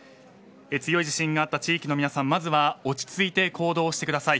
強い地震があった地域の皆さんまずは落ち着いて行動してください。